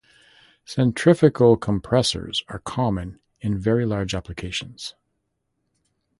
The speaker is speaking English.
Centrifugal compressors are common in very large applications.